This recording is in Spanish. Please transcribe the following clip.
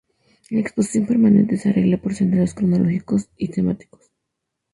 La exposición permanente se arregla por senderos cronológicos y temáticos.